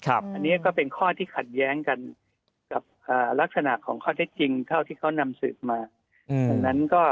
อันนี้ก็เป็นข้อที่ขัดแย้งกันกับลักษณะของข้อเท็จจริงเท่าที่เขานำสืบมาดังนั้นก็